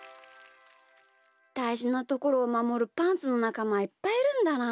だいじなところをまもるパンツのなかまはいっぱいいるんだな。